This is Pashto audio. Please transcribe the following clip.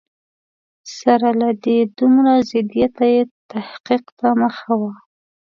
سره له دې دومره ضدیته یې تحقیق ته مخه وه.